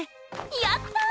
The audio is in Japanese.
やった！